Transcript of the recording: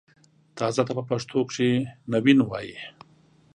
تازه ته په پښتو کښې نوين وايي